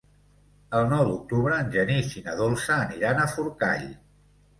El nou d'octubre en Genís i na Dolça aniran a Forcall.